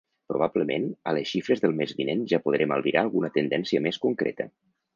Probablement, a les xifres del mes vinent ja podrem albirar alguna tendència més concreta.